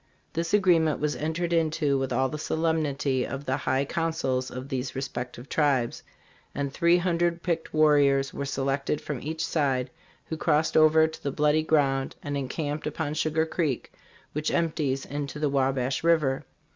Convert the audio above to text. This agreement was entered into with all the solemnity of the high councils of these respective tribes, and three hun dred picked warriors were selected from each side, who crossed over to the bloody ground and encamped upon Sugar Creek, which empties into the Wa bash river.